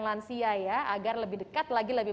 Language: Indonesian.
lansia ya agar lebih dekat lagi lebih